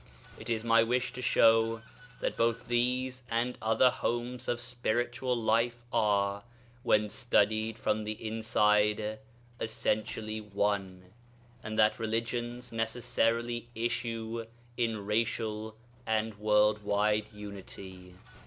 It is my wish to show that both these and other homes of spiritual life are, when studied from the inside, essentially one, and that religions necessarily issue in racial and world wide unity.